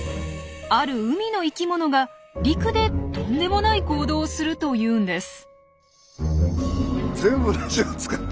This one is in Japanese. ある海の生きものが陸でとんでもない行動をするというんです。